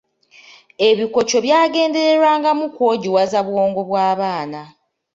Ebikoco byagendererwangamu kwogiwaza bwongo bw'abaana.